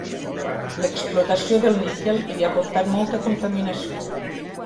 L'explotació del níquel li ha portat molta contaminació.